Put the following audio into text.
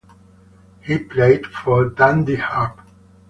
He played for Dundee Harp.